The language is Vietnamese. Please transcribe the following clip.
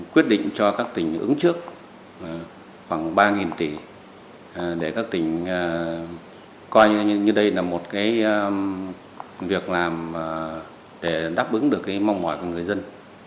quyết định cho các tỉnh ứng trước khoảng ba tỷ để các tỉnh coi như đây là một việc làm để đáp ứng được mong mỏi của người dân